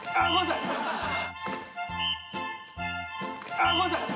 あっごめんなさい。